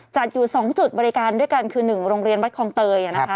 จัดอยู่๒จุดบริการด้วยกันคือ๑โรงเรียนวัดคลองเตยนะคะ